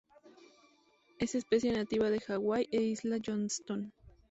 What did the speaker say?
Es especie nativa de Hawái e isla Johnston.